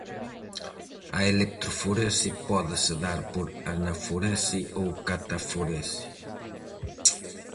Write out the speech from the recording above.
A electroforese pódese dar por anaforese ou cataforese.